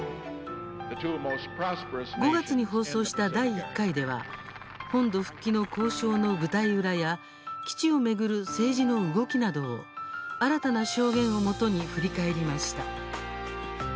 ５月に放送した第１回では本土復帰の交渉の舞台裏や基地を巡る政治の動きなどを新たな証言を基に振り返りました。